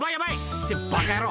「ってバカ野郎！」